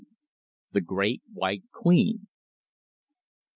THE GREAT WHITE QUEEN.